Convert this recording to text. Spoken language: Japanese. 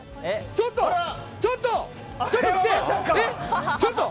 ちょっとちょっと！